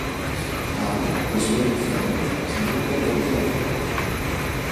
Άλλοι, πεσμένοι χάμω, κοιμούνταν βαριά